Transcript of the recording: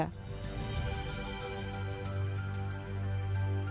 namun ada satu lagi yang diyakini mampu membunuhnya